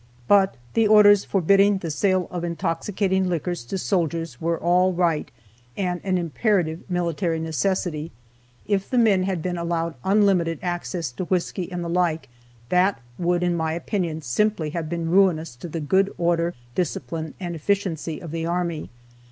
But the orders forbidding the sale of intoxicating liquors to soldiers were all right, and an imperative military necessity. If the men had been allowed unlimited access to whisky, and the like, that would, in my opinion, simply have been ruinous to the good order, discipline, and efficiency of the army.